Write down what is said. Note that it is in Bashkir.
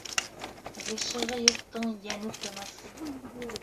Ғишығы юҡтың йәне тыныс.